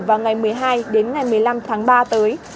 vào ngày một mươi hai đến ngày một mươi năm tháng ba tới